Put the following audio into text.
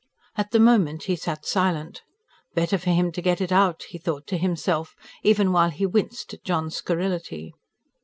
At the moment he sat silent. "Better for him to get it out," he thought to himself, even while he winced at John's scurrility.